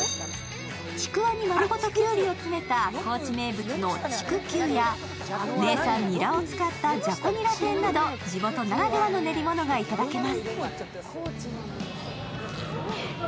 ちくわに丸ごときゅうりを詰めた、高知名物のちくきゅうや名産ニラを使った、じゃこニラ天など地元ならではの練り物がいただけます。